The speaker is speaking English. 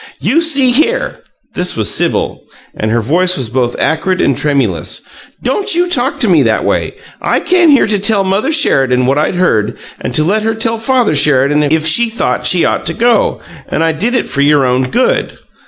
"You see here!" This was Sibyl, and her voice was both acrid and tremulous. "Don't you talk to me that way! I came here to tell Mother Sheridan what I'd heard, and to let her tell Father Sheridan if she thought she ought to, and I did it for your own good."